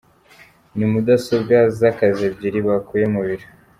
Ni mudasobwa z’akazi ebyiri bakuye mu biro.